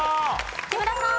木村さん。